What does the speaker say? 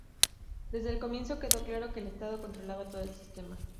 Desde el comienzo quedó claro que el Estado controlaba todo el sistema.